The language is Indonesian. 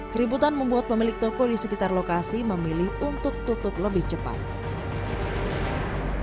keributan membuat pemilik toko di sekitar lokasi memilih untuk tutup lebih cepat